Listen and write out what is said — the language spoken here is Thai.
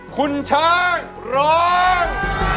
คุณช้างร้อง